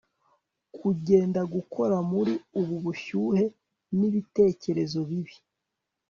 kugenda gukora muri ubu bushyuhe nibitekerezo bibi